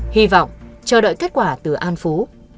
hy vọng chờ đợi kết quả từ an phú